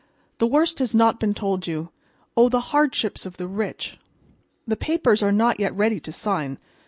"The worst has not been told you. Oh, the hardships of the rich! The papers are not yet ready to sign.